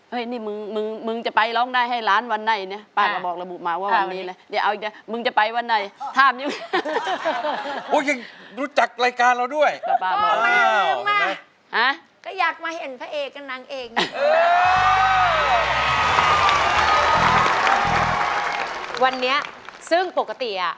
เฮ้ยนี่มึงจะไปร้องได้ให้ล้านวันในเนี่ย